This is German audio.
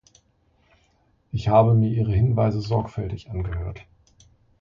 Ich habe mir Ihre Hinweise sorgfältig angehört.